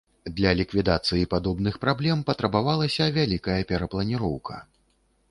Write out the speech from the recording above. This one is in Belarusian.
Для ліквідацыі падобных праблем патрабавалася вялікая перапланіроўка.